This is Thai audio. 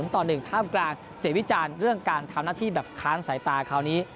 ต่อ๑ท่ามกลางเสียงวิจารณ์เรื่องการทำหน้าที่แบบค้านสายตาคราวนี้